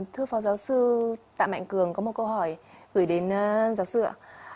thưa phó giáo sư tạ mạnh cường có một câu hỏi gửi đến giáo sư ạ